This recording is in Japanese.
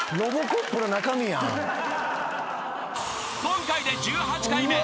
［今回で１８回目。